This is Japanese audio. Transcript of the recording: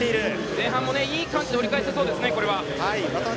前半もいいタイムで折り返せそうですね。